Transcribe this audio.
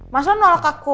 masalahnya nolak aku